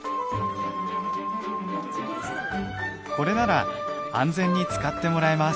これなら安全に使ってもらえます。